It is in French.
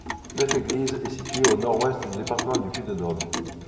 Neuf-Église est située au nord-ouest du département du Puy-de-Dôme.